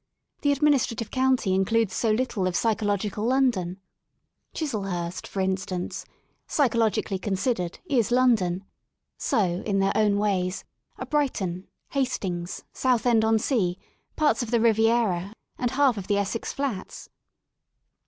The Administrative County includes so little of psycho logical London. Chislehurst, for instance, psycho 33 D THE SOUL OF LONDON logically considered, is London ; so, in their own ways, are Brighton, Hastings, Southend on Sea, parts of the Riviera, and half of the Essex flats.